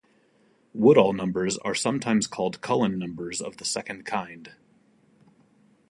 Woodall numbers are sometimes called Cullen numbers of the second kind.